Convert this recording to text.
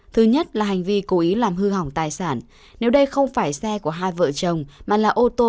thứ nhất là hành vi cố ý làm hư hỏng tài sản nếu đây không phải xe của hai vợ chồng mà là ô tô